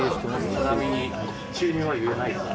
ちなみに収入は言えないですか？